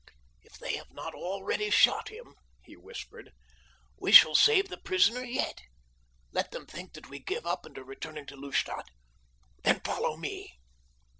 "If they have not already shot him," he whispered, "we shall save the prisoner yet. Let them think that we give up and are returning to Lustadt. Then follow me."